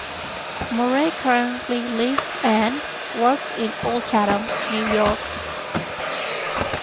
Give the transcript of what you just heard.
Murray currently lives and works in Old Chatham, New York.